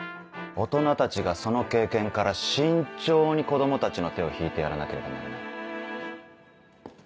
大人たちがその経験から慎重に子供たちの手を引いてやらなければならない。